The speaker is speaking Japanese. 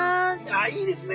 あいいですね